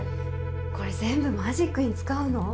これ全部マジックに使うの？